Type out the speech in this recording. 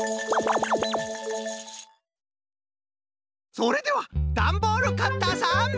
それではダンボールカッターさん。